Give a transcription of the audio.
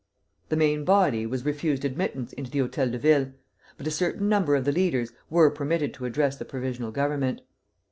The main body was refused admittance into the Hôtel de Ville, but a certain number of the leaders were permitted to address the Provisional Government.